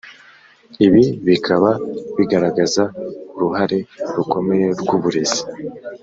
ibi bikaba bigaragaza uruhare rukomeye rw'uburezi